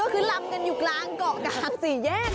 ก็คือลำกันอยู่กลางเกาะกลางสี่แยก